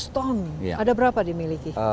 seratus ton ada berapa dimiliki